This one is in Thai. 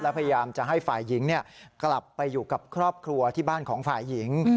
พยายามจะให้ฝ่ายหญิงกลับไปอยู่กับครอบครัวที่บ้านของฝ่ายหญิง